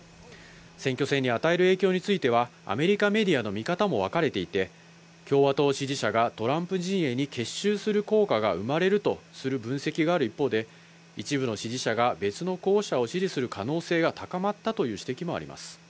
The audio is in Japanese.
選挙戦に与える影響についてはアメリカメディアの見方もわかれていて、共和党支持者がトランプ陣営に結集する効果が生まれるとする分析がある一方で、一部の支持者が別の候補者を支持する可能性が高まったという指摘もあります。